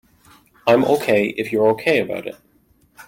I'm OK if you're OK about it.